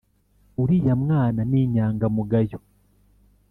uriya mwana ni inyangamugayo